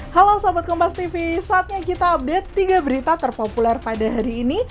halo sobat kompastv saatnya kita update tiga berita terpopuler pada hari ini